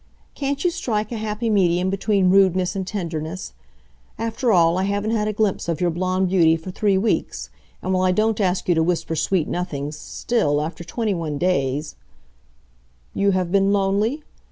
"Can't you strike a happy medium between rudeness and tenderness? After all, I haven't had a glimpse of your blond beauty for three weeks. And while I don't ask you to whisper sweet nothings, still, after twenty one days " "You have been lonely?